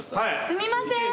・すみません。